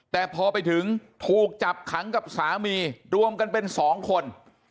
แต่พอไปถึงถูกจับขังกับสามีรวมกันเป็น๒คน